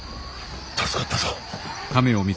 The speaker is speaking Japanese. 助かったぞ。